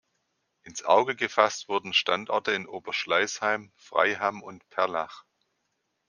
Ins Auge gefasst wurden Standorte in Oberschleißheim, Freiham und Perlach.